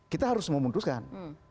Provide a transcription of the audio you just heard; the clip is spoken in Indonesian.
kita harus memutuskan